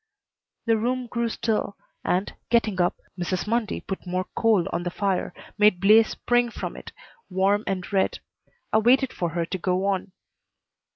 The room grew still and, getting up, Mrs. Mundy put more coal on the fire, made blaze spring from it, warm and red. I waited for her to go on.